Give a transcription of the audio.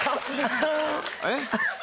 えっ？